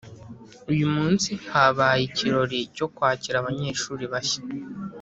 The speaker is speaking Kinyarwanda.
Uyumunsi habaye ikirori cyo kwakira abanyeshuri bashya